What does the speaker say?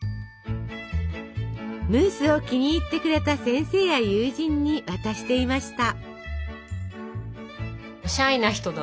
ムースを気に入ってくれた先生や友人に渡していました。